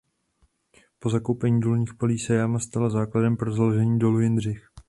Po zakoupení důlních polí se jáma stala základem pro založení dolu Jindřich.